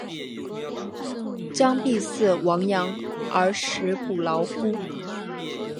将必俟亡羊而始补牢乎！